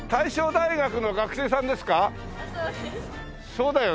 そうだよね。